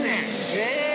え！